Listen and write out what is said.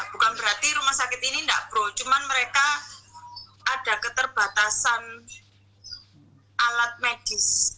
bukan berarti rumah sakit ini tidak pro cuma mereka ada keterbatasan alat medis